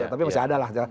tapi masih ada lah